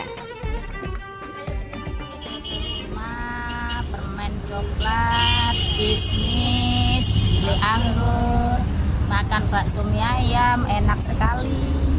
rumah permen coklat bisnis mie anggur makan bakso mie ayam enak sekali